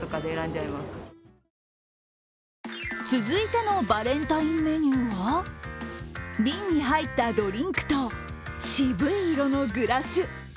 続いてのバレンタインメニューは瓶に入ったドリンクと、渋い色のグラス。